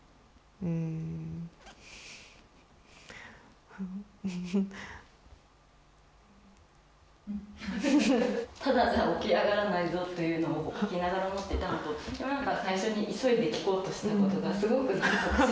うん「ただじゃ起き上がらないぞ」というのを聞きながら思ってたのとなんか最初に急いで聞こうとしたことがすごく納得しました。